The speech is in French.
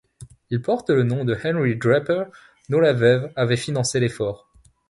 Il porte le nom de Henry Draper, dont la veuve avait financé l'effort.